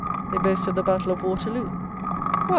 They boast of the battle of Waterloo. Why!